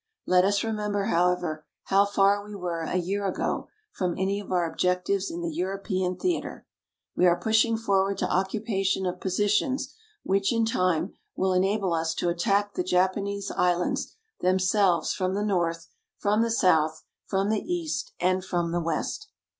Let us remember, however, how far we were a year ago from any of our objectives in the European theatre. We are pushing forward to occupation of positions which in time will enable us to attack the Japanese Islands themselves from the North, from the South, from the East, and from the West.